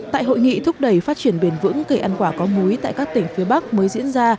tại hội nghị thúc đẩy phát triển bền vững cây ăn quả có múi tại các tỉnh phía bắc mới diễn ra